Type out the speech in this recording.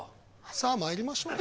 さあまいりましょう。